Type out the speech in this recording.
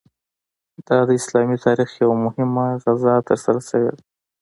دا د اسلامي تاریخ یوه مهمه غزا ترسره شوې ده.